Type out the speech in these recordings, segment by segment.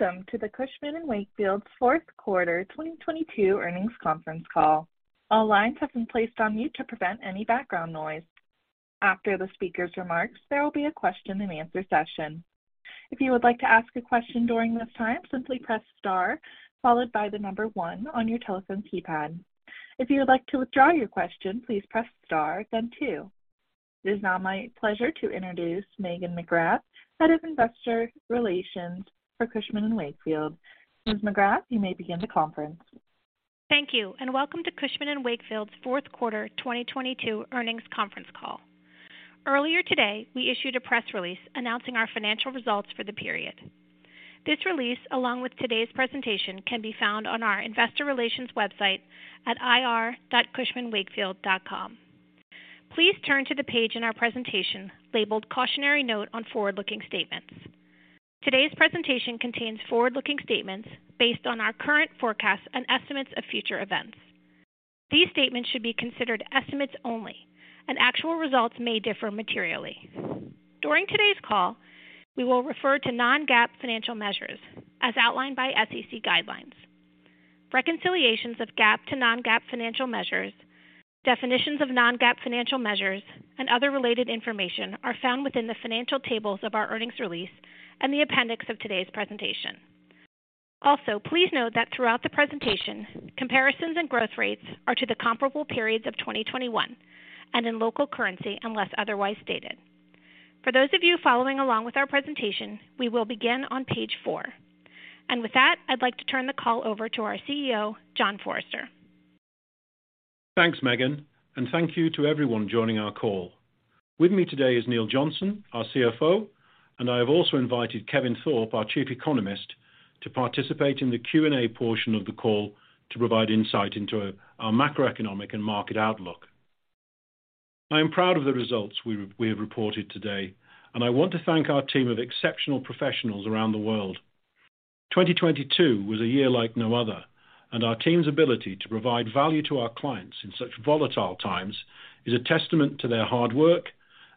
Welcome to the Cushman & Wakefield's fourth quarter 2022 earnings conference call. All lines have been placed on mute to prevent any background noise. After the speaker's remarks, there will be a question and answer session. If you would like to ask a question during this time, simply press star 1 on your telephone keypad. If you would like to withdraw your question, please press star two. It is now my pleasure to introduce Megan McGrath, Head of Investor Relations for Cushman & Wakefield. Ms. McGrath, you may begin the conference. Thank you, and welcome to Cushman & Wakefield's fourth quarter 2022 earnings conference call. Earlier today, we issued a press release announcing our financial results for the period. This release, along with today's presentation, can be found on our investor relations website at ir.cushmanwakefield.com. Please turn to the page in our presentation labeled Cautionary Note on Forward-Looking Statements. Today's presentation contains forward-looking statements based on our current forecasts and estimates of future events. These statements should be considered estimates only, and actual results may differ materially. During today's call, we will refer to non-GAAP financial measures as outlined by SEC guidelines. Reconciliations of GAAP to non-GAAP financial measures, definitions of non-GAAP financial measures, and other related information are found within the financial tables of our earnings release and the appendix of today's presentation. Please note that throughout the presentation, comparisons and growth rates are to the comparable periods of 2021 and in local currency, unless otherwise stated. For those of you following along with our presentation, we will begin on page four. With that, I'd like to turn the call over to our CEO, John Forrester. Thanks, Megan. Thank you to everyone joining our call. With me today is Neil Johnston, our CFO. I have also invited Kevin Thorpe, our chief economist, to participate in the Q&A portion of the call to provide insight into our macroeconomic and market outlook. I am proud of the results we have reported today. I want to thank our team of exceptional professionals around the world. 2022 was a year like no other. Our team's ability to provide value to our clients in such volatile times is a testament to their hard work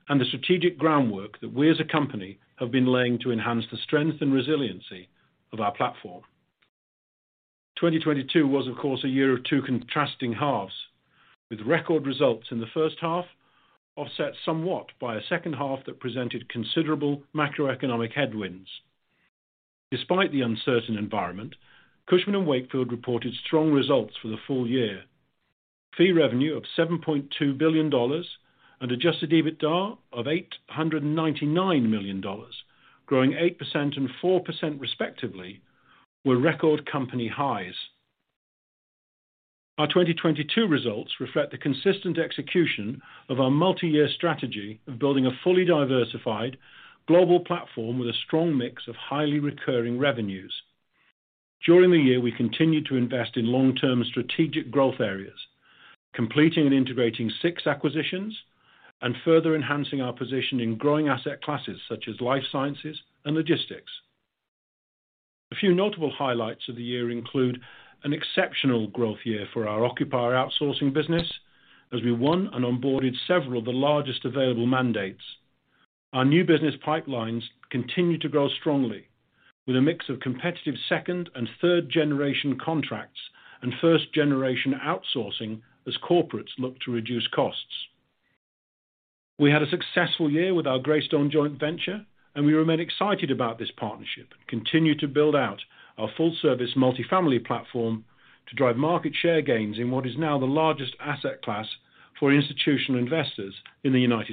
and the strategic groundwork that we as a company have been laying to enhance the strength and resiliency of our platform. 2022 was, of course, a year of two contrasting halves, with record results in the first half offset somewhat by a second half that presented considerable macroeconomic headwinds. Despite the uncertain environment, Cushman & Wakefield reported strong results for the full year. Fee revenue of $7.2 billion and adjusted EBITDA of $899 million, growing 8% and 4% respectively, were record company highs. Our 2022 results reflect the consistent execution of our multi-year strategy of building a fully diversified global platform with a strong mix of highly recurring revenues. During the year, we continued to invest in long-term strategic growth areas, completing and integrating six acquisitions and further enhancing our position in growing asset classes such as life sciences and logistics. A few notable highlights of the year include an exceptional growth year for our occupier outsourcing business as we won and onboarded several of the largest available mandates. Our new business pipelines continued to grow strongly with a mix of competitive second and third generation contracts and first generation outsourcing as corporates look to reduce costs. We had a successful year with our Greystone joint venture. We remain excited about this partnership and continue to build out our full service multifamily platform to drive market share gains in what is now the largest asset class for institutional investors in the U.S.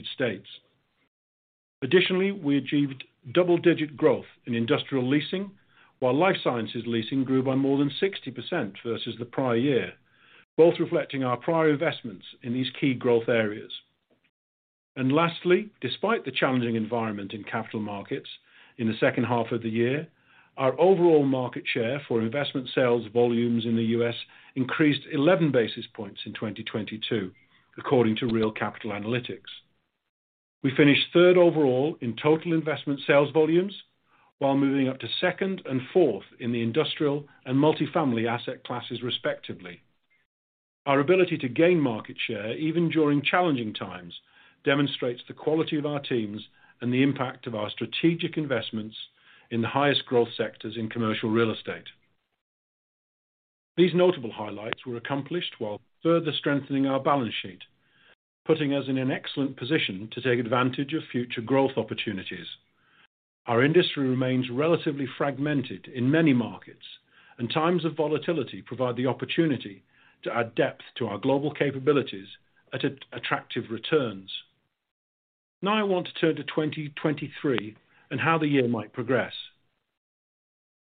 Additionally, we achieved double-digit growth in industrial leasing, while life sciences leasing grew by more than 60% versus the prior year, both reflecting our prior investments in these key growth areas. Lastly, despite the challenging environment in capital markets in the second half of the year, our overall market share for investment sales volumes in the U.S. increased 11 basis points in 2022 according to Real Capital Analytics. We finished third overall in total investment sales volumes while moving up to second and fourth in the industrial and multifamily asset classes, respectively. Our ability to gain market share even during challenging times, demonstrates the quality of our teams and the impact of our strategic investments in the highest growth sectors in commercial real estate. These notable highlights were accomplished while further strengthening our balance sheet, putting us in an excellent position to take advantage of future growth opportunities. Our industry remains relatively fragmented in many markets, and times of volatility provide the opportunity to add depth to our global capabilities at attractive returns. Now, I want to turn to 2023 and how the year might progress.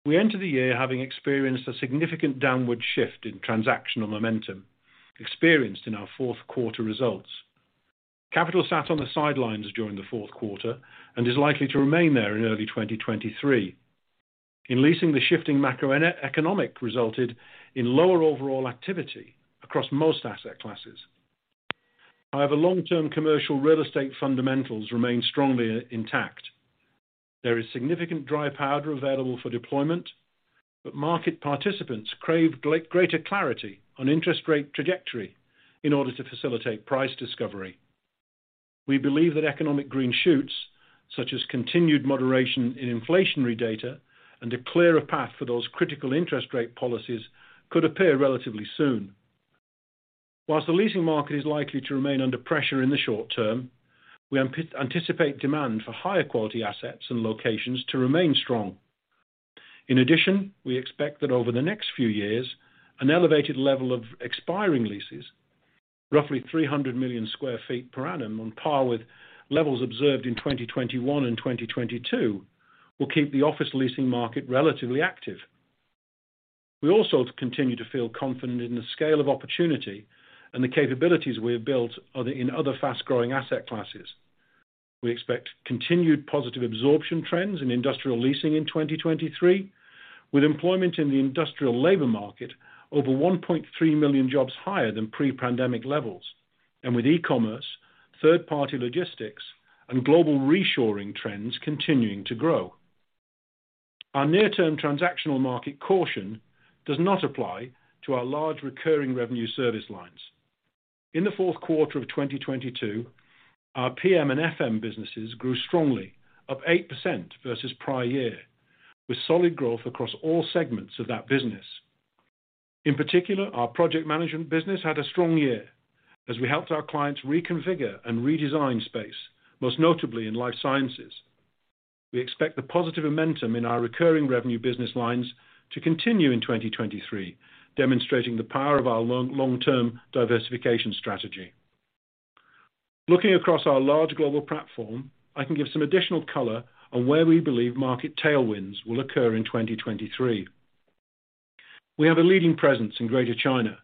We enter the year having experienced a significant downward shift in transactional momentum experienced in our fourth quarter results. Capital sat on the sidelines during the fourth quarter and is likely to remain there in early 2023. In leasing, the shifting macroeconomic resulted in lower overall activity across most asset classes. However, long-term commercial real estate fundamentals remain strongly intact. There is significant dry powder available for deployment, but market participants crave greater clarity on interest rate trajectory in order to facilitate price discovery. We believe that economic green shoots, such as continued moderation in inflationary data and a clearer path for those critical interest rate policies, could appear relatively soon. Whilst the leasing market is likely to remain under pressure in the short term, we anticipate demand for higher quality assets and locations to remain strong. In addition, we expect that over the next few years, an elevated level of expiring leases, roughly 300 million sq ft per annum, on par with levels observed in 2021 and 2022, will keep the office leasing market relatively active. We also continue to feel confident in the scale of opportunity and the capabilities we have built in other fast-growing asset classes. We expect continued positive absorption trends in industrial leasing in 2023, with employment in the industrial labor market over 1.3 million jobs higher than pre-pandemic levels, and with e-commerce, third-party logistics and global reshoring trends continuing to grow. Our near-term transactional market caution does not apply to our large recurring revenue service lines. In the fourth quarter of 2022, our PM and FM businesses grew strongly, up 8% versus prior year, with solid growth across all segments of that business. In particular, our project management business had a strong year as we helped our clients reconfigure and redesign space, most notably in life sciences. We expect the positive momentum in our recurring revenue business lines to continue in 2023, demonstrating the power of our long-term diversification strategy. Looking across our large global platform, I can give some additional color on where we believe market tailwinds will occur in 2023. We have a leading presence in Greater China.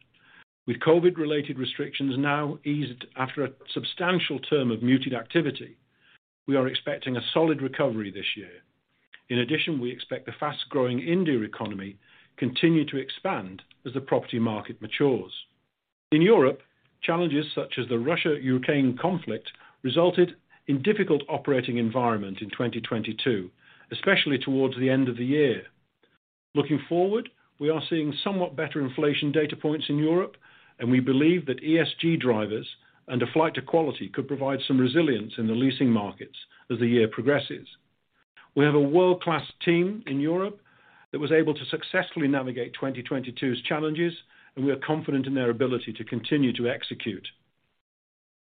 With COVID-related restrictions now eased after a substantial term of muted activity, we are expecting a solid recovery this year. We expect the fast-growing India economy continue to expand as the property market matures. In Europe, challenges such as the Russia-Ukraine conflict resulted in difficult operating environment in 2022, especially towards the end of the year. Looking forward, we are seeing somewhat better inflation data points in Europe, and we believe that ESG drivers and a flight to quality could provide some resilience in the leasing markets as the year progresses. We have a world-class team in Europe that was able to successfully navigate 2022's challenges, and we are confident in their ability to continue to execute.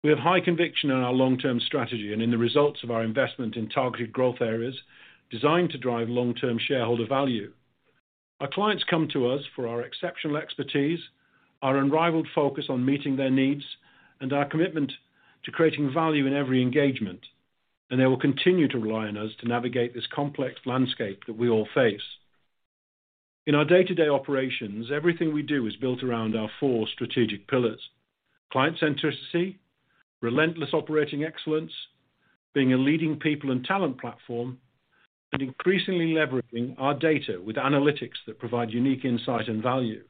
We have high conviction in our long-term strategy and in the results of our investment in targeted growth areas designed to drive long-term shareholder value. Our clients come to us for our exceptional expertise, our unrivaled focus on meeting their needs, and our commitment to creating value in every engagement, and they will continue to rely on us to navigate this complex landscape that we all face. In our day-to-day operations, everything we do is built around our four strategic pillars: client centricity, relentless operating excellence, being a leading people and talent platform, and increasingly leveraging our data with analytics that provide unique insight and value.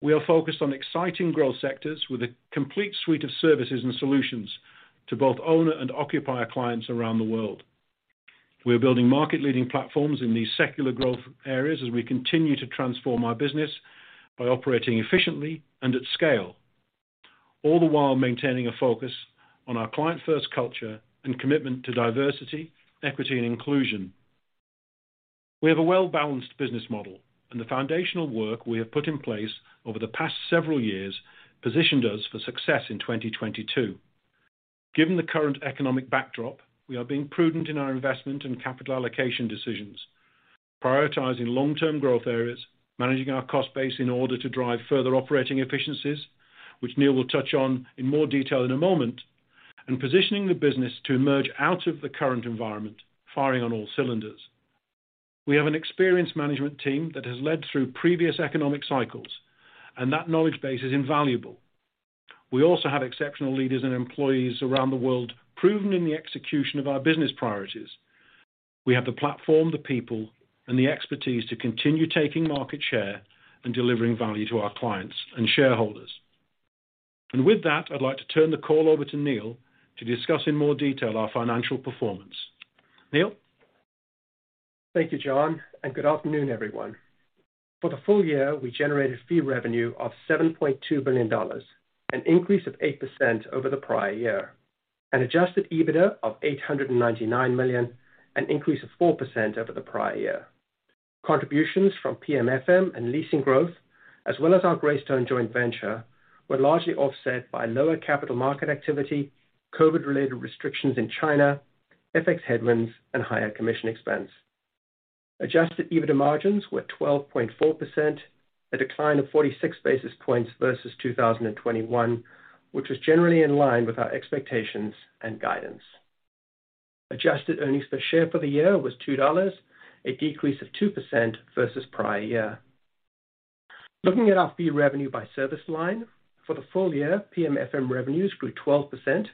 We are focused on exciting growth sectors with a complete suite of services and solutions to both owner and occupier clients around the world. We are building market leading platforms in these secular growth areas as we continue to transform our business by operating efficiently and at scale, all the while maintaining a focus on our client-first culture and commitment to diversity, equity and inclusion. We have a well-balanced business model, and the foundational work we have put in place over the past several years positioned us for success in 2022. Given the current economic backdrop, we are being prudent in our investment and capital allocation decisions, prioritizing long-term growth areas, managing our cost base in order to drive further operating efficiencies, which Neil will touch on in more detail in a moment, and positioning the business to emerge out of the current environment, firing on all cylinders. We have an experienced management team that has led through previous economic cycles, and that knowledge base is invaluable. We also have exceptional leaders and employees around the world proven in the execution of our business priorities. We have the platform, the people, and the expertise to continue taking market share and delivering value to our clients and shareholders. With that, I'd like to turn the call over to Neil to discuss in more detail our financial performance. Neil? Thank you, John. Good afternoon, everyone. For the full year, we generated fee revenue of $7.2 billion, an increase of 8% over the prior year. Adjusted EBITDA of $899 million, an increase of 4% over the prior year. Contributions from PMFM and leasing growth, as well as our Greystone joint venture, were largely offset by lower capital market activity, COVID-related restrictions in China, FX headwinds, and higher commission expense. Adjusted EBITDA margins were 12.4%, a decline of 46 basis points versus 2021, which was generally in line with our expectations and guidance. Adjusted earnings per share for the year was $2, a decrease of 2% versus prior year. Looking at our fee revenue by service line, for the full year, PMFM revenues grew 12%,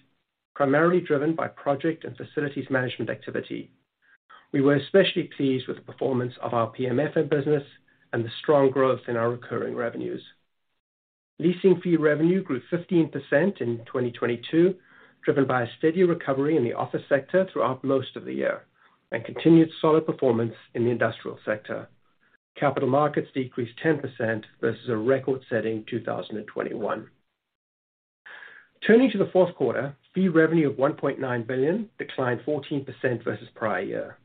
primarily driven by project and facilities management activity. We were especially pleased with the performance of our PMFM business and the strong growth in our recurring revenues. Leasing fee revenue grew 15% in 2022, driven by a steady recovery in the office sector throughout most of the year and continued solid performance in the industrial sector. Capital markets decreased 10% versus a record-setting 2021. Turning to the fourth quarter, fee revenue of $1.9 billion declined 14% versus prior year.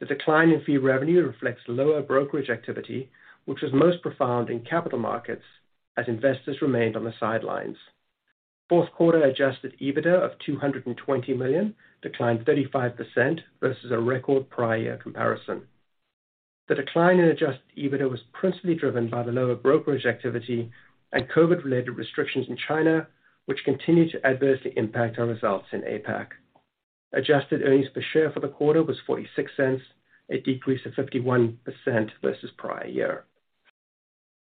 The decline in fee revenue reflects lower brokerage activity, which was most profound in Capital markets as investors remained on the sidelines. Fourth quarter adjusted EBITDA of $220 million declined 35% versus a record prior year comparison. The decline in adjusted EBITDA was principally driven by the lower brokerage activity and COVID-related restrictions in China, which continue to adversely impact our results in APAC. Adjusted earnings per share for the quarter was $0.46, a decrease of 51% versus prior year.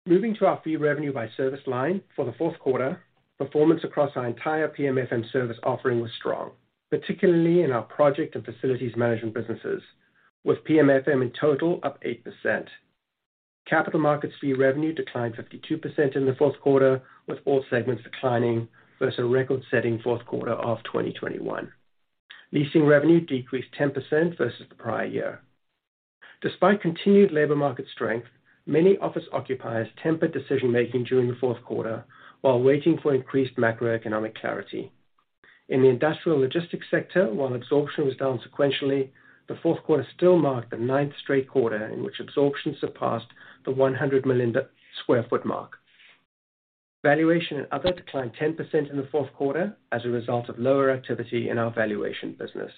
Moving to our fee revenue by service line for the fourth quarter, performance across our entire PMFM service offering was strong, particularly in our project and facilities management businesses, with PMFM in total up 8%. Capital markets fee revenue declined 52% in the fourth quarter, with all segments declining versus a record-setting fourth quarter of 2021. Leasing revenue decreased 10% versus the prior year. Despite continued labor market strength, many office occupiers tempered decision-making during the fourth quarter while waiting for increased macroeconomic clarity. In the industrial logistics sector, while absorption was down sequentially, the fourth quarter still marked the ninth straight quarter in which absorption surpassed the 100 million sq ft mark. Valuation and other declined 10% in the fourth quarter as a result of lower activity in our valuation business.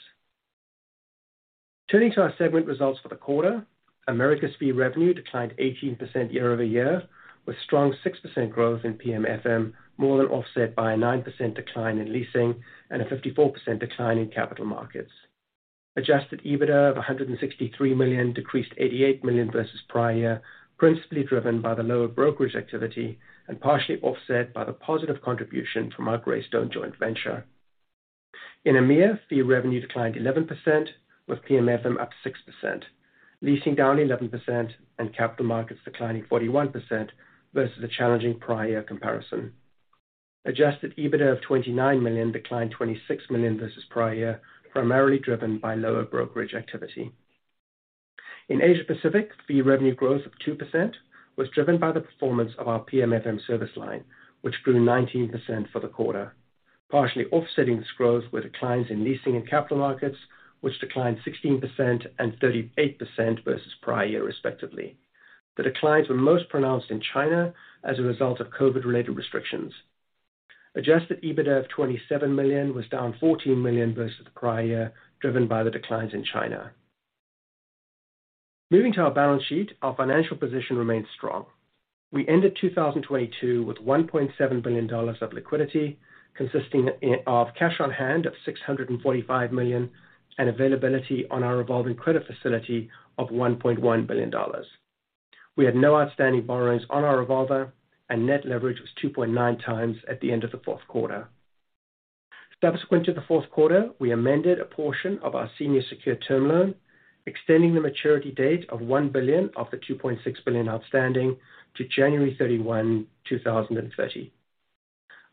Turning to our segment results for the quarter, Americas fee revenue declined 18% year-over-year with strong 6% growth in PMFM, more than offset by a 9% decline in leasing and a 54% decline in capital markets. Adjusted EBITDA of $163 million decreased $88 million versus prior year, principally driven by the lower brokerage activity and partially offset by the positive contribution from our Greystone joint venture. In EMEA, fee revenue declined 11% with PMFM up 6%, leasing down 11% and capital markets declining 41% versus a challenging prior year comparison. Adjusted EBITDA of $29 million declined $26 million versus prior year, primarily driven by lower brokerage activity. In Asia Pacific, fee revenue growth of 2% was driven by the performance of our PMFM service line, which grew 19% for the quarter. Partially offsetting this growth were declines in leasing and capital markets, which declined 16% and 38% versus prior year respectively. The declines were most pronounced in China as a result of COVID-related restrictions. Adjusted EBITDA of $27 million was down $14 million versus the prior year, driven by the declines in China. Moving to our balance sheet, our financial position remains strong. We ended 2022 with $1.7 billion of liquidity, consisting of cash on hand of $645 million and availability on our revolving credit facility of $1.1 billion. We had no outstanding borrowings on our revolver and net leverage was 2.9x at the end of the fourth quarter. Subsequent to the fourth quarter, we amended a portion of our senior secured term loan, extending the maturity date of $1 billion of the $2.6 billion outstanding to January 31, 2030.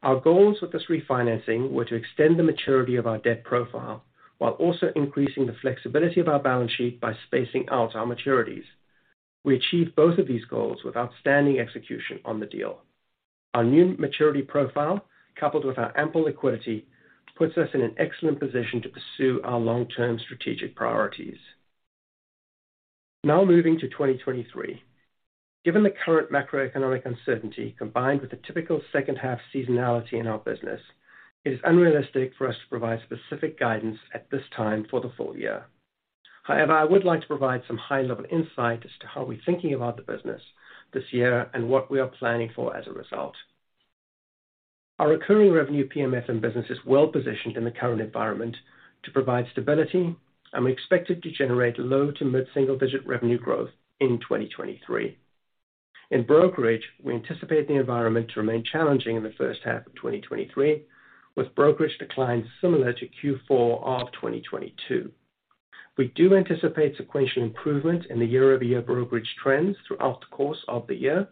Our goals with this refinancing were to extend the maturity of our debt profile while also increasing the flexibility of our balance sheet by spacing out our maturities. We achieved both of these goals with outstanding execution on the deal. Our new maturity profile, coupled with our ample liquidity, puts us in an excellent position to pursue our long-term strategic priorities. Moving to 2023. Given the current macroeconomic uncertainty combined with the typical second half seasonality in our business, it is unrealistic for us to provide specific guidance at this time for the full year. I would like to provide some high-level insight as to how we're thinking about the business this year and what we are planning for as a result. Our recurring revenue PMFM business is well positioned in the current environment to provide stability, and we expect it to generate low to mid-single-digit revenue growth in 2023. In brokerage, we anticipate the environment to remain challenging in the first half of 2023, with brokerage declines similar to Q4 of 2022. We do anticipate sequential improvement in the year-over-year brokerage trends throughout the course of the year,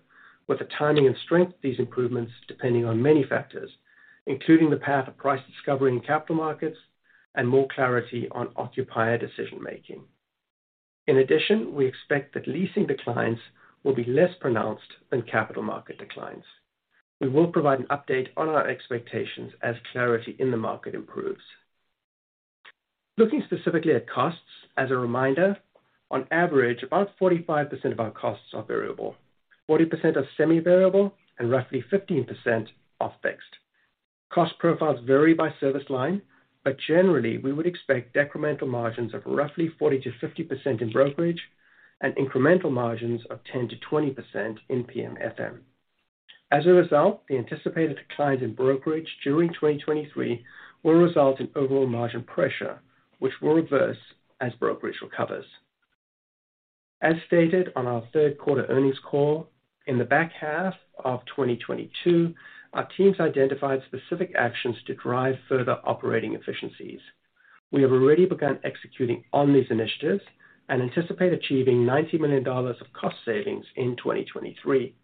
with the timing and strength of these improvements depending on many factors, including the path of price discovery in capital markets and more clarity on occupier decision making. In addition, we expect that leasing declines will be less pronounced than capital market declines. We will provide an update on our expectations as clarity in the market improves. Looking specifically at costs, as a reminder, on average, about 45% of our costs are variable, 40% are semi-variable, and roughly 15% are fixed. Cost profiles vary by service line, but generally, we would expect decremental margins of roughly 40%-50% in brokerage and incremental margins of 10%-20% in PMFM. As a result, the anticipated declines in brokerage during 2023 will result in overall margin pressure, which will reverse as brokerage recovers. As stated on our third quarter earnings call, in the back half of 2022, our teams identified specific actions to drive further operating efficiencies. We have already begun executing on these initiatives and anticipate achieving $90 million of cost savings in 2023.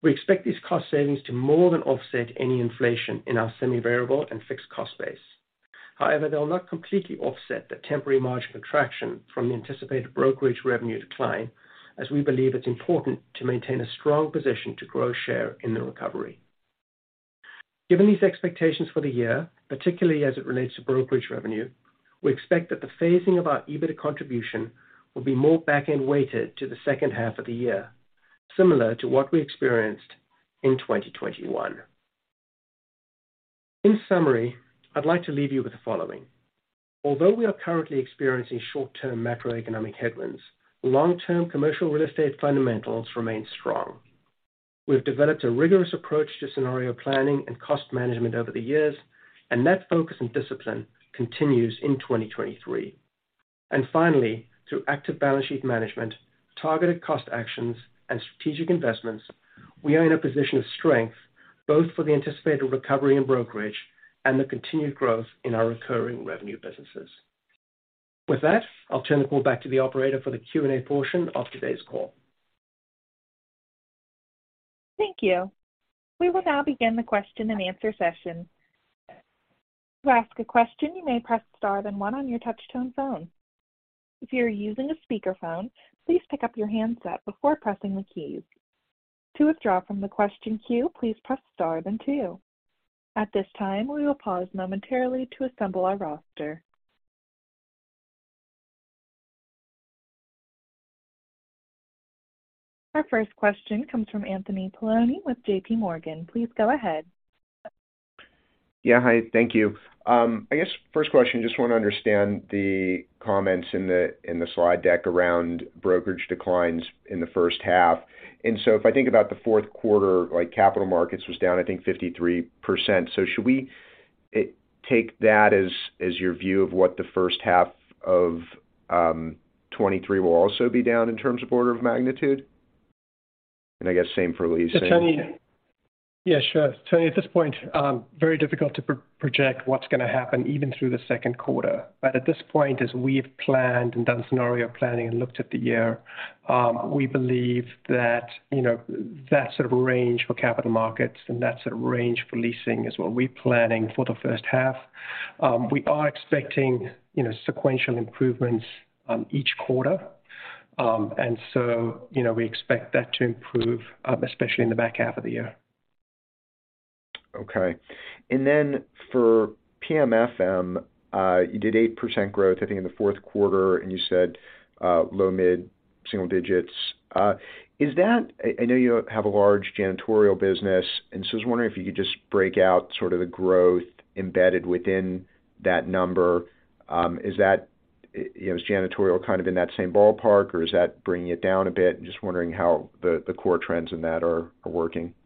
We expect these cost savings to more than offset any inflation in our semi-variable and fixed cost base. However, they will not completely offset the temporary margin contraction from the anticipated brokerage revenue decline, as we believe it's important to maintain a strong position to grow share in the recovery. Given these expectations for the year, particularly as it relates to brokerage revenue, we expect that the phasing of our EBITDA contribution will be more back-end-weighted to the second half of the year, similar to what we experienced in 2021. In summary, I'd like to leave you with the following. Although we are currently experiencing short-term macroeconomic headwinds, long-term commercial real estate fundamentals remain strong. We have developed a rigorous approach to scenario planning and cost management over the years, that focus and discipline continues in 2023. Finally, through active balance sheet management, targeted cost actions and strategic investments, we are in a position of strength, both for the anticipated recovery in brokerage and the continued growth in our recurring revenue businesses. I'll turn the call back to the operator for the Q&A portion of today's call. Thank you. We will now begin the question and answer session. To ask a question, you may press star then one on your touchtone phone. If you're using a speakerphone, please pick up your handset before pressing the keys. To withdraw from the question queue, please press star then two. At this time, we will pause momentarily to assemble our roster. Our first question comes from Anthony Paolone with JPMorgan. Please go ahead. Yeah, hi. Thank you. I guess first question, just want to understand the comments in the slide deck around brokerage declines in the first half. If I think about the fourth quarter, like, capital markets was down, I think 53%. Should we take that as your view of what the first half of 2023 will also be down in terms of order of magnitude? I guess same for leasing. Yeah, sure. Tony, at this point, very difficult to project what's going to happen even through the second quarter. At this point, as we've planned and done scenario planning and looked at the year, we believe that, you know, that sort of range for capital markets and that sort of range for leasing is what we're planning for the first half. We are expecting, you know, sequential improvements on each quarter. You know, we expect that to improve, especially in the back half of the year. Okay. Then for PMFM, you did 8% growth, I think, in the fourth quarter, and you said low mid-single digits. Is that I know you have a large janitorial business, and so I was wondering if you could just break out sort of the growth embedded within that number. Is that, you know, is janitorial kind of in that same ballpark, or is that bringing it down a bit? Just wondering how the core trends in that are working. Hi,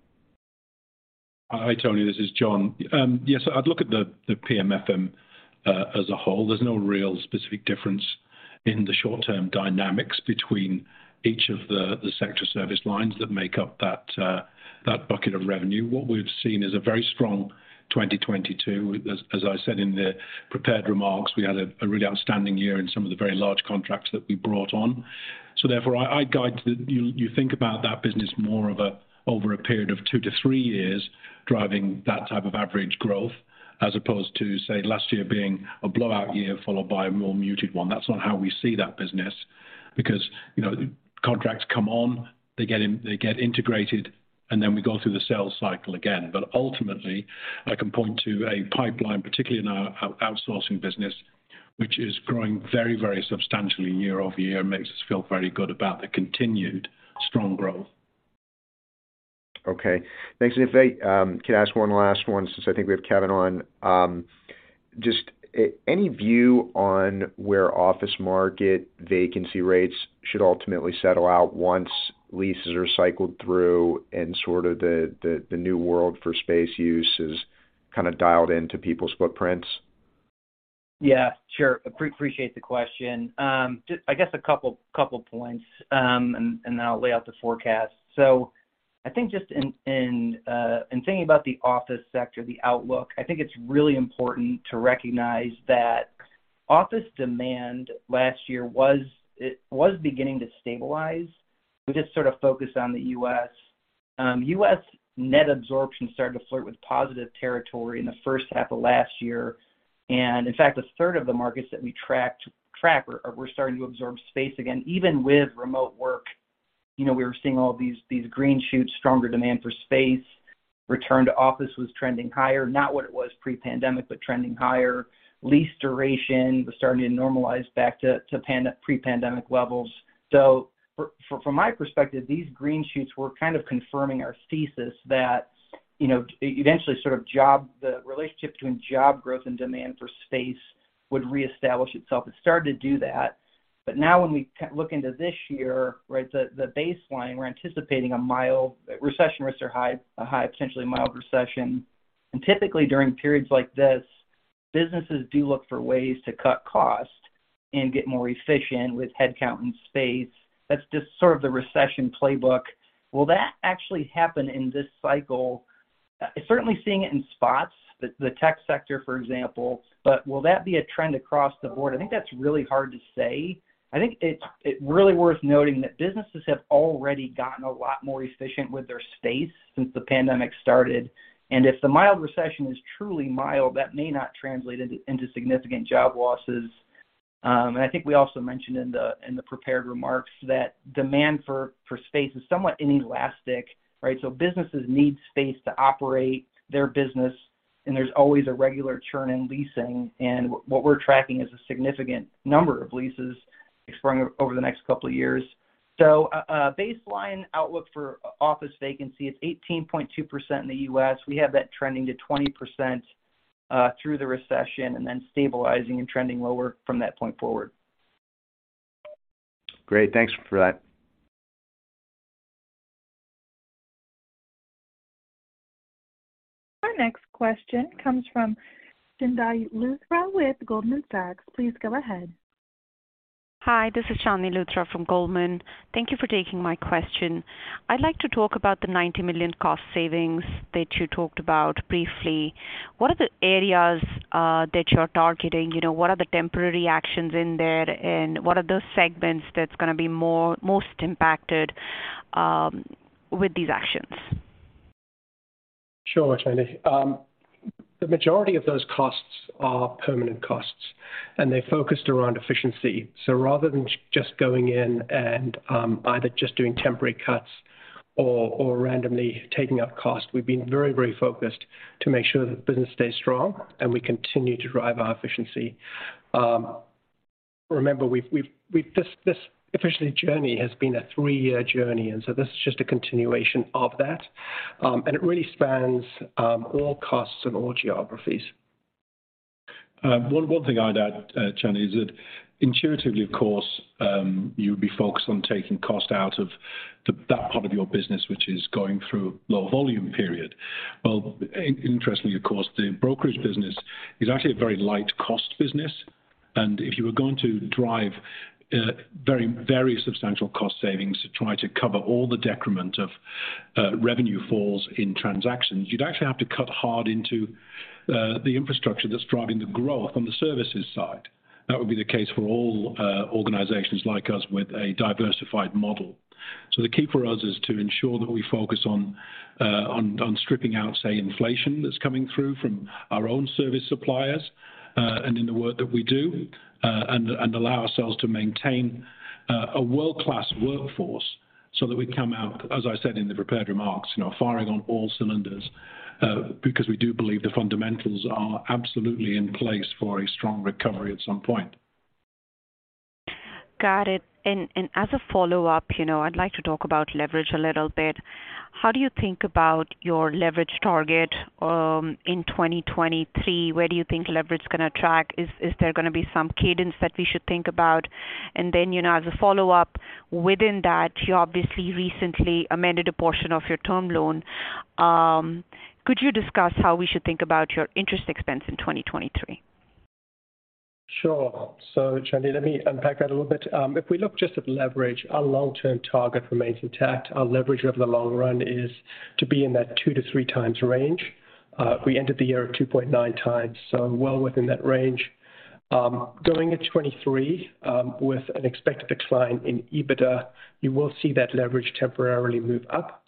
Tony, this is John. Yes, I'd look at the PMFM as a whole. There's no real specific difference in the short-term dynamics between each of the sector service lines that make up that bucket of revenue. What we've seen is a very strong 2022. As I said in the prepared remarks, we had a really outstanding year in some of the very large contracts that we brought on. Therefore, I guide to you think about that business more of a over a period of 2 to 3 years driving that type of average growth, as opposed to, say, last year being a blowout year followed by a more muted one. That's not how we see that business because, you know, contracts come on, they get integrated, and then we go through the sales cycle again. Ultimately, I can point to a pipeline, particularly in our outsourcing business, which is growing very, very substantially year-over-year, makes us feel very good about the continued strong growth. Okay. Thanks. If I can ask one last one since I think we have Kevin on, just any view on where office market vacancy rates should ultimately settle out once leases are cycled through and sort of the new world for space use is kind of dialed into people's footprints? Yeah, sure. appreciate the question. Just I guess a couple points, and then I'll lay out the forecast. I think just in thinking about the office sector, the outlook, I think it's really important to recognize that office demand last year was, it was beginning to stabilize. We just sort of focused on the U.S. U.S. net absorption started to flirt with positive territory in the first half of last year. In fact, 1/3 of the markets that we tracked were starting to absorb space again, even with remote work. You know, we were seeing all these green shoots, stronger demand for space. Return to office was trending higher, not what it was pre-pandemic, but trending higher. Lease duration was starting to normalize back to pre-pandemic levels. From my perspective, these green shoots were kind of confirming our thesis that, you know, eventually sort of job, the relationship between job growth and demand for space would reestablish itself. It started to do that. Now when we look into this year, right, the baseline, we're anticipating a mild recession risks are high, a high potentially mild recession. Typically during periods like this, businesses do look for ways to cut cost and get more efficient with headcount and space. That's just sort of the recession playbook. Will that actually happen in this cycle? Certainly seeing it in spots, the tech sector, for example. Will that be a trend across the board? I think that's really hard to say. I think it's really worth noting that businesses have already gotten a lot more efficient with their space since the pandemic started. If the mild recession is truly mild, that may not translate into significant job losses. I think we also mentioned in the prepared remarks that demand for space is somewhat inelastic, right? Businesses need space to operate their business, and there's always a regular churn in leasing. What we're tracking is a significant number of leases expiring over the next couple of years. A baseline outlook for office vacancy is 18.2% in the U.S. We have that trending to 20% through the recession and then stabilizing and trending lower from that point forward. Great, thanks for that. Our next question comes from Chandni Luthra with Goldman Sachs. Please go ahead. Hi, this is Chandni Luthra from Goldman. Thank you for taking my question. I'd like to talk about the $90 million cost savings that you talked about briefly. What are the areas that you're targeting? You know, what are the temporary actions in there, and what are those segments that's gonna be most impacted with these actions? Sure, Chandni. The majority of those costs are permanent costs, and they're focused around efficiency. Rather than just going in and, either just doing temporary cuts or randomly taking up costs, we've been very, very focused to make sure that the business stays strong and we continue to drive our efficiency. Remember we've This efficiency journey has been a three-year journey. This is just a continuation of that. It really spans, all costs and all geographies. One thing I'd add, Chandni, is that intuitively of course, you would be focused on taking cost out of that part of your business which is going through low volume period. Well, interestingly, of course, the brokerage business is actually a very light cost business. If you were going to drive, very substantial cost savings to try to cover all the decrement of revenue falls in transactions, you'd actually have to cut hard into the infrastructure that's driving the growth on the services side. That would be the case for all organizations like us with a diversified model. The key for us is to ensure that we focus on stripping out, say, inflation that's coming through from our own service suppliers, and in the work that we do, and allow ourselves to maintain a world-class workforce so that we come out, as I said in the prepared remarks, you know, firing on all cylinders, because we do believe the fundamentals are absolutely in place for a strong recovery at some point. Got it. As a follow-up, you know, I'd like to talk about leverage a little bit. How do you think about your leverage target in 2023? Where do you think leverage is gonna track? Is there gonna be some cadence that we should think about? You know, as a follow-up, within that, you obviously recently amended a portion of your term loan. Could you discuss how we should think about your interest expense in 2023? Sure. Chandni, let me unpack that a little bit. If we look just at leverage, our long-term target remains intact. Our leverage over the long run is to be in that 2x-3x range. We ended the year at 2.9x, well within that range. Going at 2023, with an expected decline in EBITDA, you will see that leverage temporarily move up.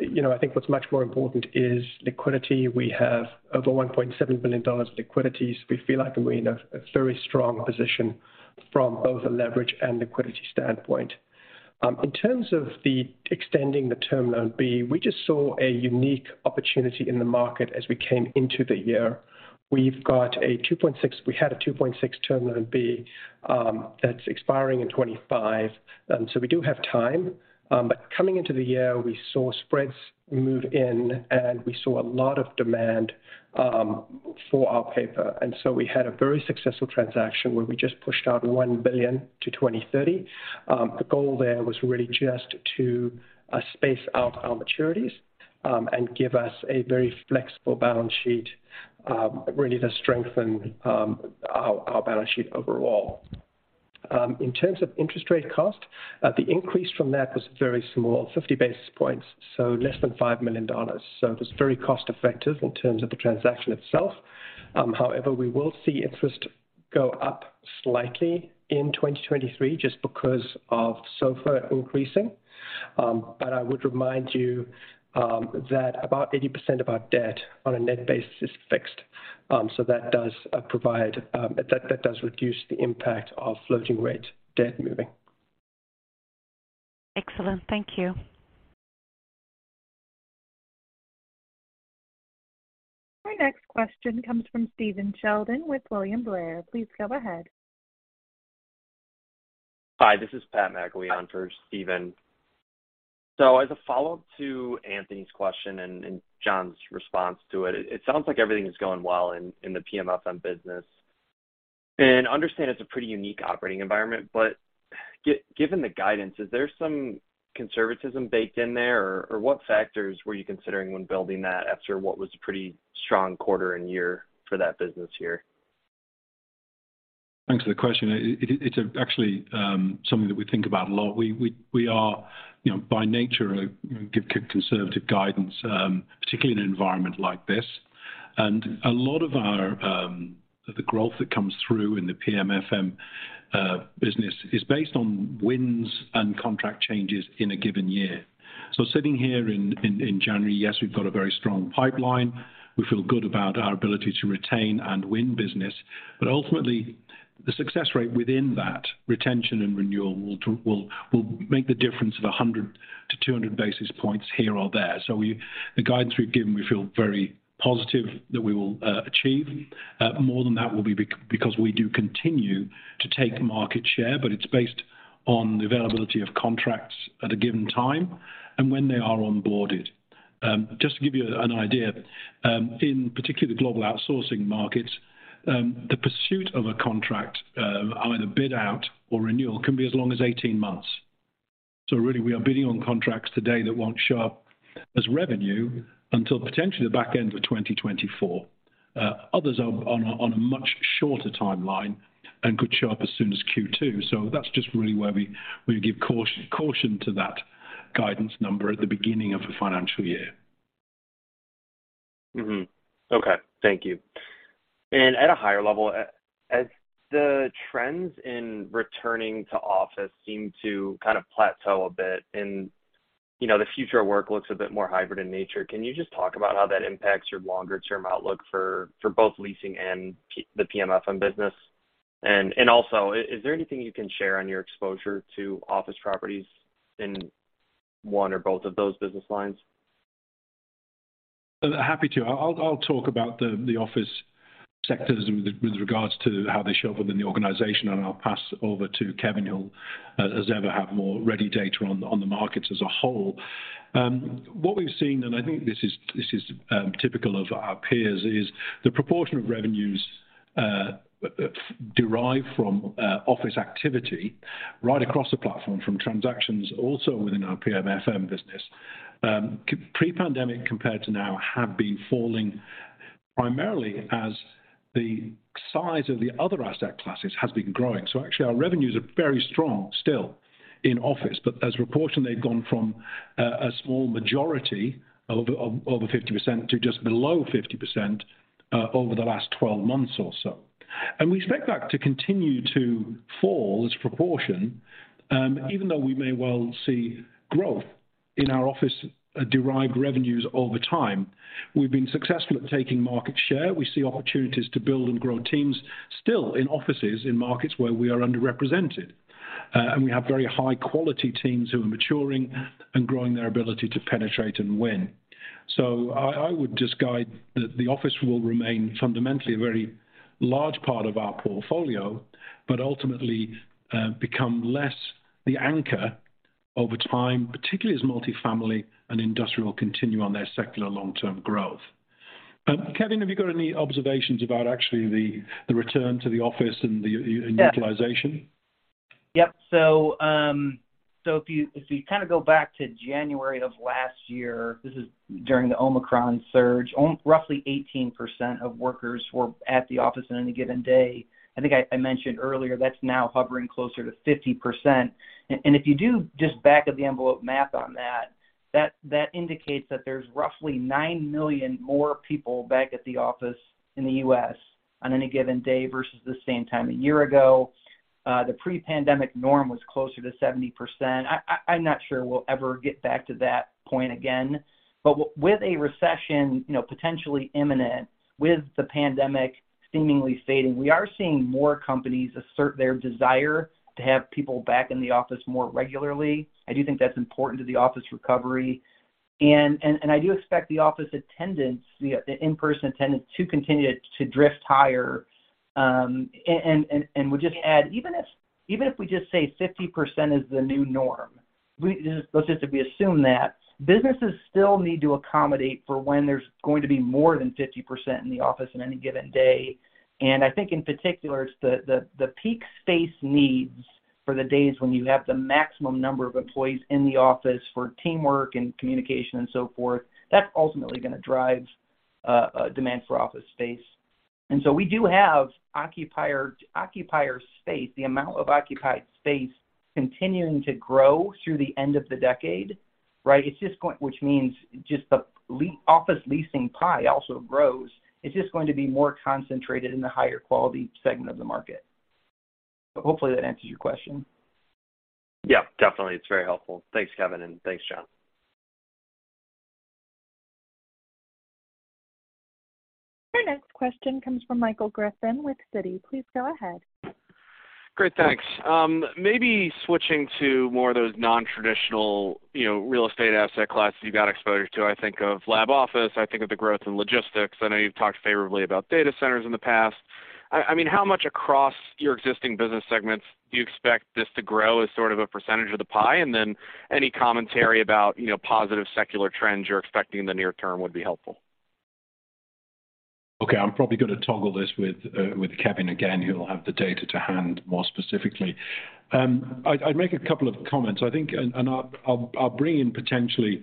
You know, I think what's much more important is liquidity. We have over $1.7 billion liquidity, we feel like we're in a very strong position from both a leverage and liquidity standpoint. In terms of the extending the Term Loan B, we just saw a unique opportunity in the market as we came into the year. We've got a 2.6. We had a 2.6 Term Loan B that's expiring in 2025. We do have time. Coming into the year, we saw spreads move in, and we saw a lot of demand for our paper. We had a very successful transaction where we just pushed out $1 billion to 2030. The goal there was really just to space out our maturities and give us a very flexible balance sheet really to strengthen our balance sheet overall. In terms of interest rate cost, the increase from that was very small, 50 basis points, less than $5 million. It was very cost-effective in terms of the transaction itself. However, we will see interest go up slightly in 2023 just because of SOFR increasing. I would remind you, that about 80% of our debt on a net basis is fixed. That does provide, that does reduce the impact of floating rate debt moving. Excellent. Thank you. Our next question comes from Stephen Sheldon with William Blair. Please go ahead. Hi, this is Patrick McIlwee for Steven. As a follow-up to Anthony's question and John's response to it sounds like everything is going well in the PMFM business. Understand it's a pretty unique operating environment, but given the guidance, is there some conservatism baked in there? What factors were you considering when building that after what was a pretty strong quarter and year for that business here? Thanks for the question. It's actually something that we think about a lot. We are, you know, by nature give conservative guidance, particularly in an environment like this. A lot of our the growth that comes through in the PMFM business is based on wins and contract changes in a given year. Sitting here in January, yes, we've got a very strong pipeline. We feel good about our ability to retain and win business, but ultimately, the success rate within that retention and renewal will make the difference of 100-200 basis points here or there. The guidance we've given, we feel very positive that we will achieve. More than that will be because we do continue to take market share, but it's based on the availability of contracts at a given time and when they are onboarded. Just to give you an idea, in particularly the global outsourcing markets, the pursuit of a contract, either bid out or renewal, can be as long as 18 months. Really we are bidding on contracts today that won't show up as revenue until potentially the back end of 2024. Others are on a much shorter timeline and could show up as soon as Q2. That's just really where we give caution to that guidance number at the beginning of a financial year. Mm-hmm. Okay. Thank you. At a higher level, as the trends in returning to office seem to kind of plateau a bit and, you know, the future of work looks a bit more hybrid in nature, can you just talk about how that impacts your longer term outlook for both leasing and the PMFM business? Also, is there anything you can share on your exposure to office properties in one or both of those business lines? Happy to. I'll talk about the office sectors with regards to how they show up within the organization. I'll pass over to Kevin, who'll as ever have more ready data on the markets as a whole. What we've seen, I think this is typical of our peers, is the proportion of revenues derived from office activity right across the platform from transactions also within our PMFM business pre-pandemic compared to now have been falling primarily as the size of the other asset classes has been growing. Actually, our revenues are very strong still in office, but as proportion, they've gone from a small majority of over 50% to just below 50% over the last 12 months or so. We expect that to continue to fall as proportion, even though we may well see growth in our office-derived revenues over time. We've been successful at taking market share. We see opportunities to build and grow teams still in offices in markets where we are underrepresented. We have very high quality teams who are maturing and growing their ability to penetrate and win. I would just guide that the office will remain fundamentally a very large part of our portfolio, but ultimately, become less the anchor over time, particularly as multifamily and industrial continue on their secular long-term growth. Kevin, have you got any observations about actually the return to the office and the utilization? Yep. If you kind of go back to January of last year, this is during the Omicron surge. Roughly 18% of workers were at the office on any given day. I think I mentioned earlier, that's now hovering closer to 50%. If you do just back of the envelope math on that indicates that there's roughly 9 million more people back at the office in the U.S. on any given day versus the same time a year ago. The pre-pandemic norm was closer to 70%. I'm not sure we'll ever get back to that point again. With a recession, you know, potentially imminent, with the pandemic seemingly fading, we are seeing more companies assert their desire to have people back in the office more regularly. I do think that's important to the office recovery. I do expect the office attendance, the in-person attendance to continue to drift higher. would just add, even if we just say 50% is the new norm, let's just assume that. Businesses still need to accommodate for when there's going to be more than 50% in the office in any given day. I think in particular, it's the peak space needs for the days when you have the maximum number of employees in the office for teamwork and communication and so forth, that's ultimately gonna drive demand for office space. we do have occupier space, the amount of occupied space continuing to grow through the end of the decade, right? It's just going, which means just the office leasing pie also grows. It's just going to be more concentrated in the higher quality segment of the market. Hopefully that answers your question. Yeah, definitely. It's very helpful. Thanks, Kevin, and thanks, John. Our next question comes from Michael Griffin with Citi. Please go ahead. Great. Thanks. Maybe switching to more of those non-traditional, you know, real estate asset classes you got exposure to. I think of lab office. I think of the growth in logistics. I know you've talked favorably about data centers in the past. I mean, how much across your existing business segments do you expect this to grow as sort of a percentage of the pie? Any commentary about, you know, positive secular trends you're expecting in the near term would be helpful. Okay. I'm probably gonna toggle this with Kevin again, who will have the data to hand more specifically. I'd make a couple of comments. I think. I'll bring in potentially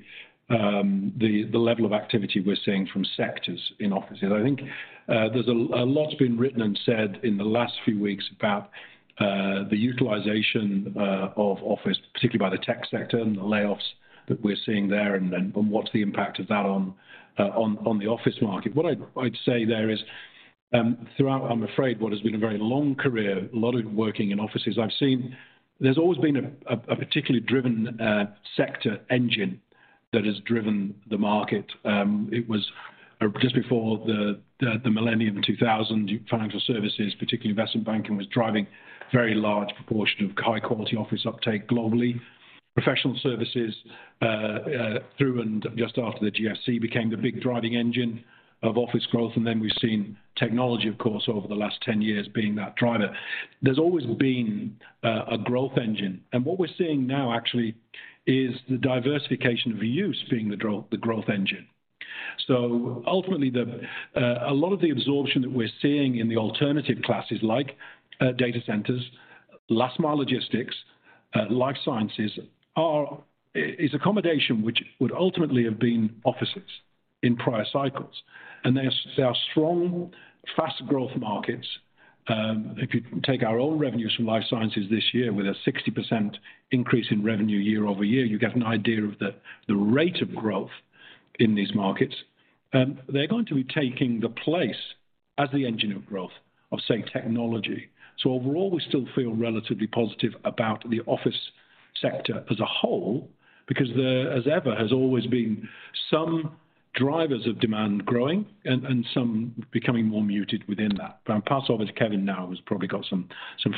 the level of activity we're seeing from sectors in offices. I think there's a lot's been written and said in the last few weeks about the utilization of office, particularly by the tech sector and the layoffs that we're seeing there, and what's the impact of that on the office market. What I'd say there is throughout, I'm afraid, what has been a very long career, a lot of it working in offices, I've seen there's always been a particularly driven sector engine that has driven the market. It was just before the millennium in 2000, financial services, particularly investment banking, was driving very large proportion of high quality office uptake globally. Professional services through and just after the GFC became the big driving engine of office growth. Then we've seen technology, of course, over the last 10 years being that driver. There's always been a growth engine. What we're seeing now actually is the diversification of reuse being the growth engine. Ultimately, a lot of the absorption that we're seeing in the alternative classes like data centers, last mile logistics, life sciences is accommodation which would ultimately have been offices in prior cycles. They are strong, fast growth markets. If you take our own revenues from life sciences this year with a 60% increase in revenue year-over-year, you get an idea of the rate of growth in these markets. They're going to be taking the place as the engine of growth of, say, technology. Overall, we still feel relatively positive about the office sector as a whole because there, as ever, has always been some drivers of demand growing and some becoming more muted within that. I'll pass over to Kevin now, who's probably got some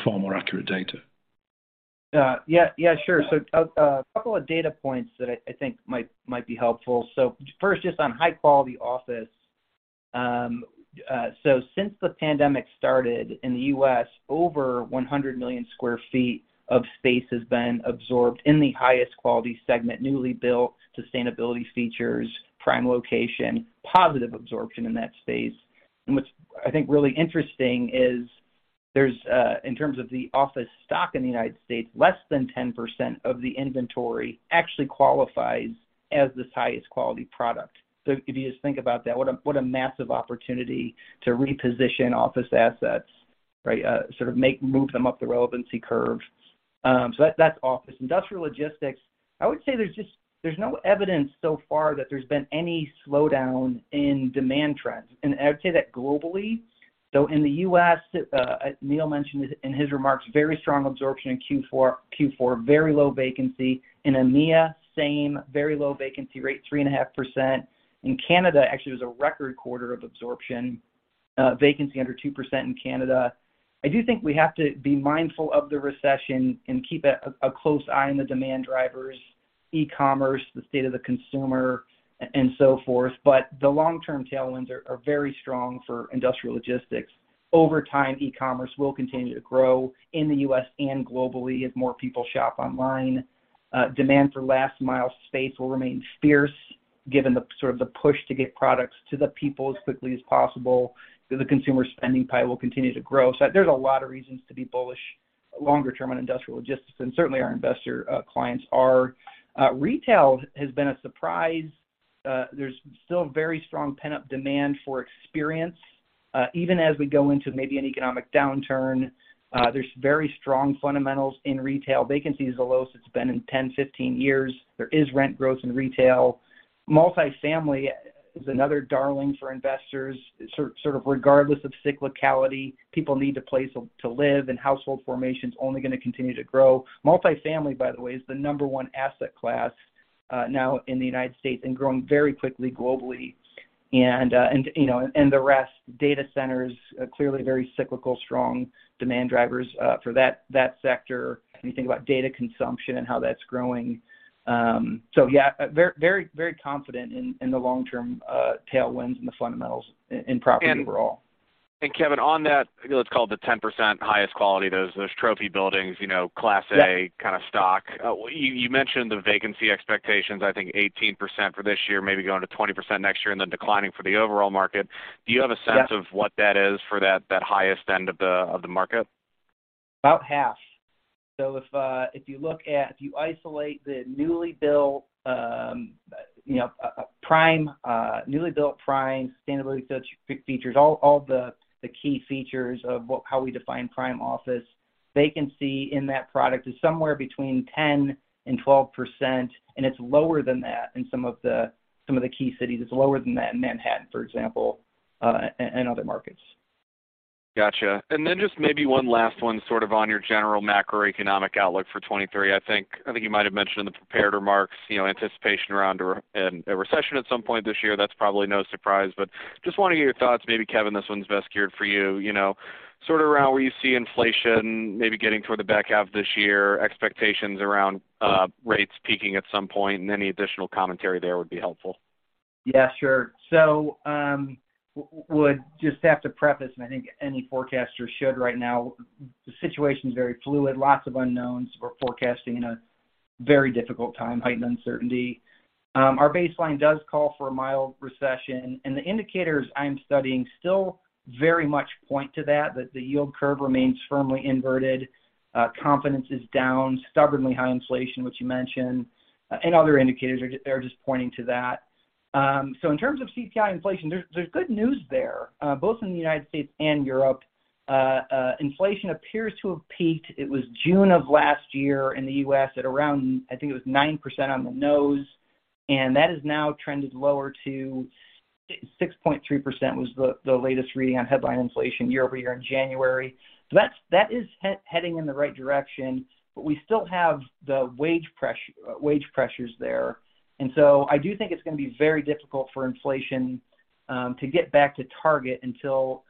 far more accurate data. Yeah, sure. A couple of data points that I think might be helpful. First, just on high quality office. Since the pandemic started in the U.S., over 100 million square feet of space has been absorbed in the highest quality segment, newly built sustainability features, prime location, positive absorption in that space. What's, I think, really interesting is there's in terms of the office stock in the United States, less than 10% of the inventory actually qualifies as this highest quality product. If you just think about that, what a massive opportunity to reposition office assets, right? Sort of move them up the relevancy curve. That's office. Industrial logistics. I would say there's just, there's no evidence so far that there's been any slowdown in demand trends. I would say that globally. In the U.S., Neil mentioned in his remarks, very strong absorption in Q4, very low vacancy. In EMEA, same, very low vacancy rate, 3.5%. In Canada, actually it was a record quarter of absorption, vacancy under 2% in Canada. I do think we have to be mindful of the recession and keep a close eye on the demand drivers, e-commerce, the state of the consumer, and so forth. The long-term tailwinds are very strong for industrial logistics. Over time, e-commerce will continue to grow in the U.S. and globally as more people shop online. Demand for last mile space will remain fierce given the sort of the push to get products to the people as quickly as possible. The consumer spending pile will continue to grow. There's a lot of reasons to be bullish longer term on industrial logistics, and certainly our investor clients are. Retail has been a surprise. There's still very strong pent-up demand for experience. Even as we go into maybe an economic downturn, there's very strong fundamentals in retail. Vacancy is the lowest it's been in 10-15 years. There is rent growth in retail. Multifamily is another darling for investors. Sort of regardless of cyclicality, people need a place to live, and household formation is only gonna continue to grow. Multifamily, by the way, is the number one asset class now in the United States and growing very quickly globally. You know, and the rest, data centers, clearly very cyclical, strong demand drivers for that sector. If you think about data consumption and how that's growing. Yeah, very, very, very confident in the long-term tailwinds and the fundamentals in property overall. And- Kevin, on that, let's call it the 10% highest quality, those trophy buildings, you know, class A kind of stock. You mentioned the vacancy expectations, I think 18% for this year, maybe going to 20% next year and then declining for the overall market. Do you have a sense of what that is for that highest end of the market? About half. If you look at... If you isolate the newly built, you know, prime, newly built prime sustainability features, all the key features of what how we define prime office, vacancy in that product is somewhere between 10% and 12%, and it's lower than that in some of the, some of the key cities. It's lower than that in Manhattan, for example, and other markets. Gotcha. Just maybe one last one sort of on your general macroeconomic outlook for 2023. I think you might have mentioned in the prepared remarks, you know, anticipation around a recession at some point this year. That's probably no surprise, but just want to get your thoughts. Maybe Kevin, this one's best geared for you. You know, sort of around where you see inflation maybe getting toward the back half of this year, expectations around rates peaking at some point, and any additional commentary there would be helpful. Yeah, sure. would just have to preface, and I think any forecaster should right now, the situation is very fluid, lots of unknowns. We're forecasting in a very difficult time, heightened uncertainty. Our baseline does call for a mild recession, the indicators I'm studying still very much point to that the yield curve remains firmly inverted, confidence is down, stubbornly high inflation, which you mentioned, are just pointing to that. In terms of CPI inflation, there's good news there, both in the United States and Europe. Inflation appears to have peaked. It was June of last year in the U.S. at around, I think it was 9% on the nose, and that has now trended lower to 6.3% was the latest reading on headline inflation year-over-year in January. That's, that is heading in the right direction, but we still have the wage pressures there. I do think it's going to be very difficult for inflation to get back to target until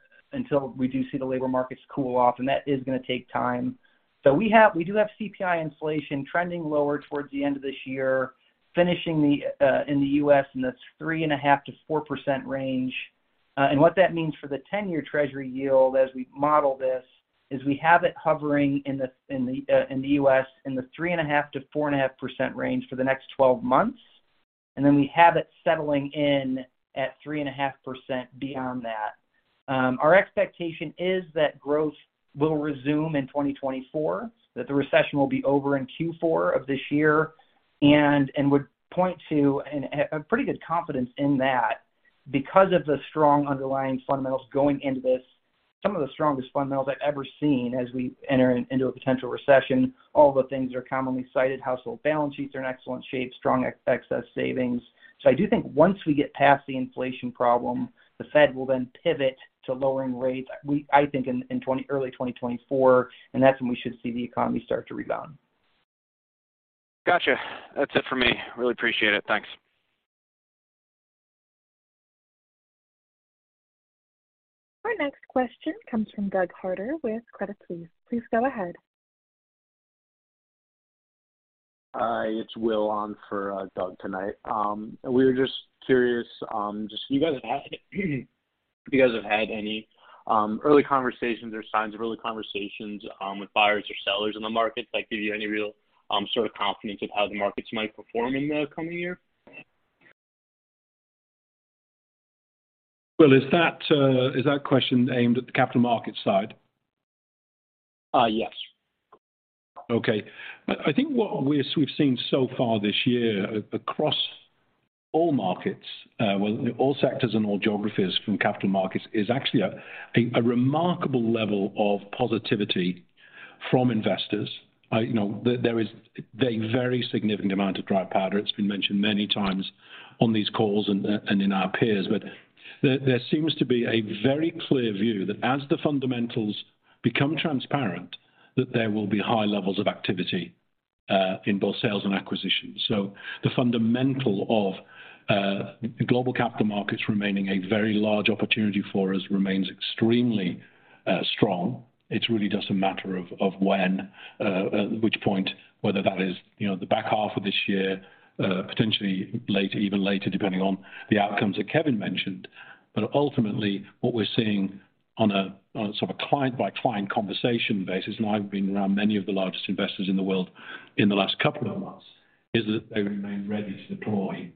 we do see the labor markets cool off, and that is going to take time. We do have CPI inflation trending lower towards the end of this year, finishing in the U.S. in this 3.5%-4% range. What that means for the 10-year Treasury yield as we model this is we have it hovering in the U.S. in the 3.5%-4.5% range for the next 12 months. Then we have it settling in at 3.5% beyond that. Our expectation is that growth will resume in 2024, that the recession will be over in Q4 of this year, and would point to a pretty good confidence in that because of the strong underlying fundamentals going into this, some of the strongest fundamentals I've ever seen as we enter into a potential recession. All the things are commonly cited. Household balance sheets are in excellent shape, strong excess savings. I do think once we get past the inflation problem, the Fed will then pivot to lowering rates, I think in early 2024, and that's when we should see the economy start to rebound. Gotcha. That's it for me. Really appreciate it. Thanks. Our next question comes from Doug Harter with Credit Suisse. Please go ahead. Hi, it's Will on for Doug tonight. We were just curious, just if you guys have had any early conversations or signs of early conversations with buyers or sellers in the market that give you any real sort of confidence of how the markets might perform in the coming year? Will, is that question aimed at the capital markets side? Yes. Okay. I think what we've seen so far this year across all markets, well, all sectors and all geographies from capital markets is actually a remarkable level of positivity from investors. You know, there is a very significant amount of dry powder. It's been mentioned many times on these calls and in our peers. There seems to be a very clear view that as the fundamentals become transparent, that there will be high levels of activity in both sales and acquisitions. The fundamental of global capital markets remaining a very large opportunity for us remains extremely strong. It's really just a matter of when, at which point, whether that is, you know, the back half of this year, potentially later, even later, depending on the outcomes that Kevin mentioned. Ultimately, what we're seeing on a sort of client-by-client conversation basis, and I've been around many of the largest investors in the world in the last couple of months, is that they remain ready to deploy,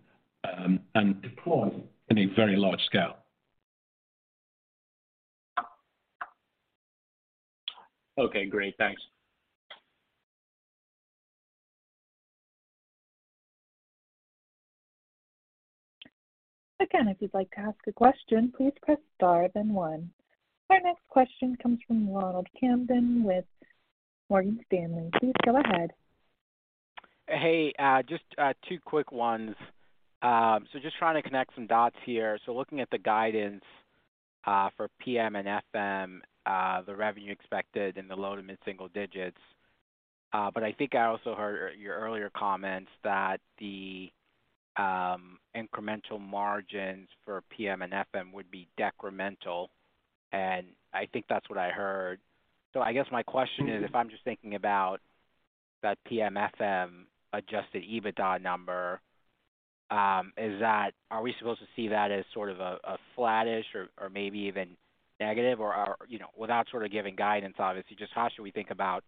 and deploy in a very large scale. Okay, great. Thanks. Again, if you'd like to ask a question, please press star then one. Our next question comes from Ronald Kamdem with Morgan Stanley. Please go ahead. Hey, just two quick ones. Just trying to connect some dots here. Looking at the guidance for PM and FM, the revenue expected in the low to mid single digits. I think I also heard your earlier comments that the incremental margins for PM and FM would be decremental, and I think that's what I heard. I guess my question is, if I'm just thinking about that PM FM adjusted EBITDA number, are we supposed to see that as sort of a flattish or maybe even negative? You know, without sort of giving guidance, obviously, just how should we think about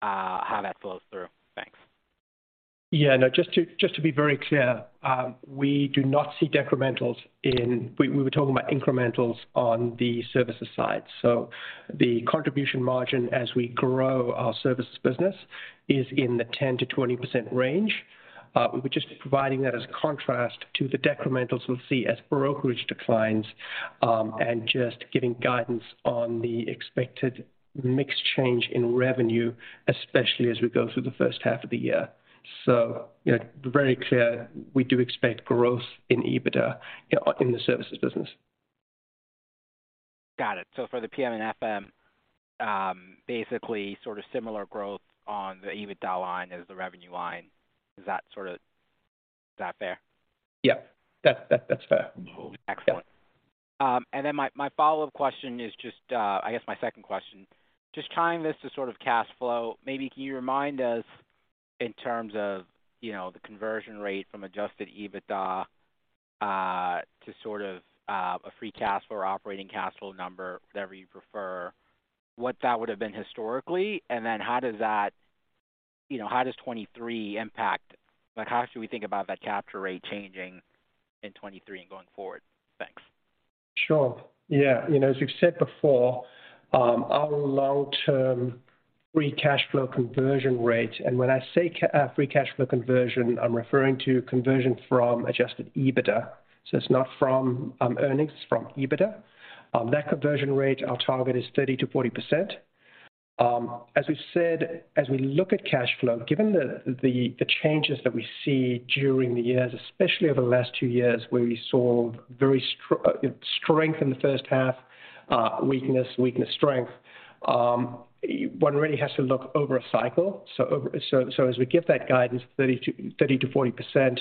how that flows through? Thanks. No, just to be very clear, we do not see decrementals. We were talking about incrementals on the services side. The contribution margin as we grow our services business is in the 10%-20% range. We're just providing that as contrast to the decrementals we'll see as brokerage declines, and just giving guidance on the expected mix change in revenue, especially as we go through the first half of the year. You know, very clear, we do expect growth in EBITDA in the services business. Got it. For the PM and FM, basically sort of similar growth on the EBITDA line as the revenue line. Is that sort of... Is that fair? Yeah. That's fair. Excellent. My follow-up question is just I guess my second question, just tying this to sort of cash flow, maybe can you remind us in terms of, you know, the conversion rate from adjusted EBITDA? to sort of, a free cash flow or operating cash flow number, whatever you prefer, what that would have been historically. You know, how does 23 impact? Like, how should we think about that capture rate changing in 23 and going forward? Thanks. Sure. Yeah. You know, as we've said before, our long-term free cash flow conversion rate, and when I say free cash flow conversion, I'm referring to conversion from adjusted EBITDA. It's not from earnings, it's from EBITDA. That conversion rate, our target is 30%-40%. As we've said, as we look at cash flow, given the changes that we see during the years, especially over the last two years, where we saw very strength in the first half, weakness, strength, one really has to look over a cycle. As we give that guidance, 30%-40%,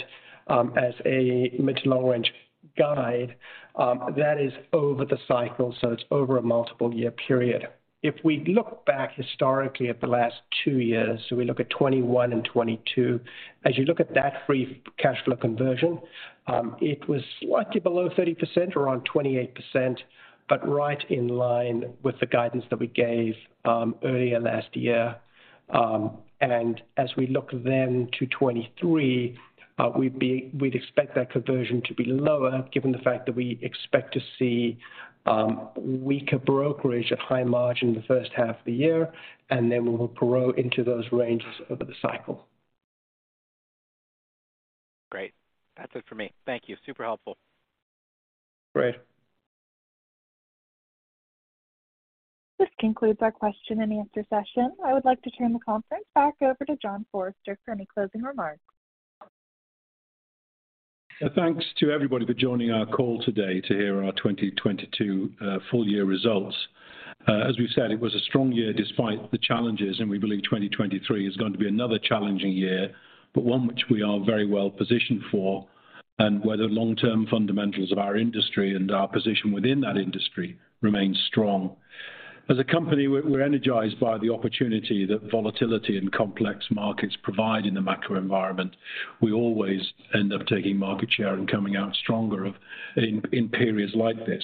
as a mid-to-long range guide, that is over the cycle, it's over a multiple year period. If we look back historically at the last two years, we look at 2021 and 2022, as you look at that free cash flow conversion, it was slightly below 30%, around 28%. Right in line with the guidance that we gave earlier last year. As we look then to 2023, we'd expect that conversion to be lower given the fact that we expect to see weaker brokerage at high margin in the first half of the year, Then we'll grow into those ranges over the cycle. Great. That's it for me. Thank you. Super helpful. Great. This concludes our question and answer session. I would like to turn the conference back over to John Forrester for any closing remarks. Thanks to everybody for joining our call today to hear our 2022 full year results. As we've said, it was a strong year despite the challenges. We believe 2023 is going to be another challenging year, but one which we are very well positioned for, where the long-term fundamentals of our industry and our position within that industry remains strong. As a company, we're energized by the opportunity that volatility and complex markets provide in the macro environment. We always end up taking market share and coming out stronger in periods like this.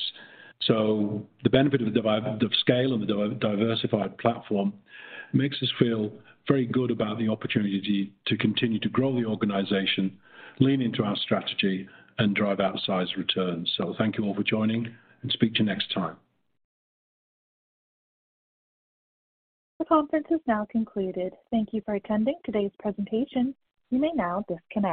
The benefit of scale and the diversified platform makes us feel very good about the opportunity to continue to grow the organization, lean into our strategy, and drive outsize returns. Thank you all for joining and speak to you next time. The conference has now concluded. Thank you for attending today's presentation. You may now disconnect.